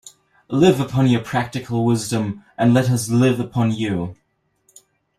Live upon your practical wisdom, and let us live upon you!